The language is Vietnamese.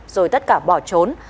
rồi tất cả bỏ trốn